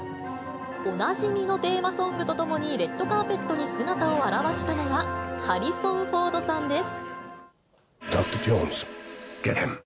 おなじみのテーマソングとともに、レッドカーペットに姿を現したのは、ハリソン・フォードさんです。